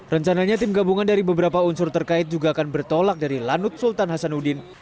rencananya tim gabungan dari beberapa unsur terkait juga akan bertolak dari lanut sultan hasanuddin